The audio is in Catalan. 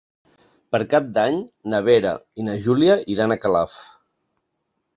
Per Cap d'Any na Vera i na Júlia iran a Calaf.